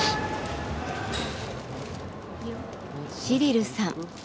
シリルさん